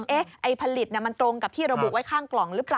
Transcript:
ไอ้ผลิตมันตรงกับที่ระบุไว้ข้างกล่องหรือเปล่า